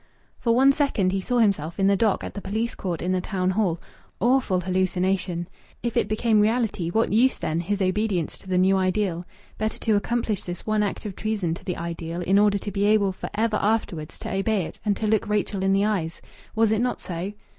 For one second he saw himself in the dock at the police court in the town hall. Awful hallucination! If it became reality, what use, then, his obedience to the new ideal? Better to accomplish this one act of treason to the ideal in order to be able for ever afterwards to obey it and to look Rachel in the eyes! Was it not so?